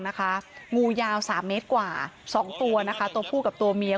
งูยาว๓เมตรกว่า๒ตัวนะคะตัวผู้กับตัวเมีย